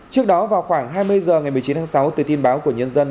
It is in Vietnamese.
trước đó vào khoảng hai mươi h ngày một mươi chín tháng sáu từ tin báo của nhân dân